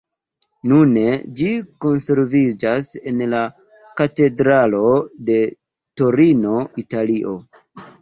Nune ĝi konserviĝas en la katedralo de Torino, Italio.